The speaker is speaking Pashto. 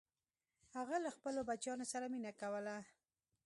هغه له خپلو بچیانو سره مینه کوله.